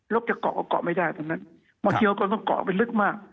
ลูกจะเกาะก็เกาะไม่ได้ตอนนั้นต้องเกาะไปลึกมาก